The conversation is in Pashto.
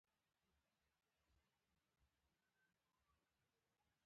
هو بچيه هغه يې شهيده کړه.